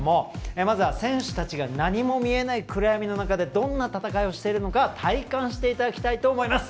まずは選手たちが何も見えない暗闇の中でどんな戦いをしているのか体感していただきたいと思います。